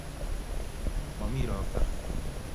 momii ropta